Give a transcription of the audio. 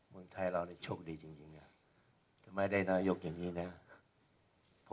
มนุษย์ไทยเราได้โชคดีจริงอ่ะถ้าไม่ได้นายกอย่างนี้นะฮะ